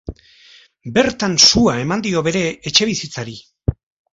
Bertan sua eman dio bere etxebizitzari.